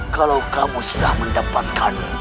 kalau kamu sudah mendapatkan